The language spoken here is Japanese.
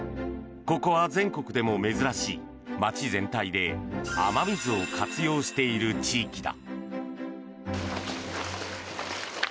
ここは全国でも珍しい、街全体で雨水を活用している地域だ。